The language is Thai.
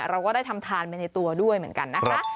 เราก็ได้ทำทานไปในตัวด้วยเหมือนกันนะคะ